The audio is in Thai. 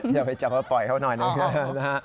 อย่าไปจับว่าปล่อยเขาหน่อยนะครับ